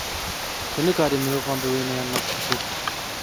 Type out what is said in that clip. Tu nikarî mirovan bi wêneyên wan nas bikî.